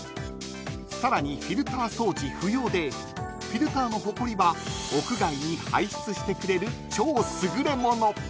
［さらにフィルター掃除不要でフィルターのほこりは屋外に排出してくれる超優れもの］